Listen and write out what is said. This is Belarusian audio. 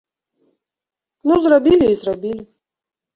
Ну, зрабілі і зрабілі.